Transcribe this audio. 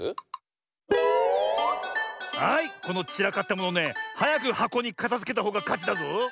はいこのちらかったものねはやくはこにかたづけたほうがかちだぞ。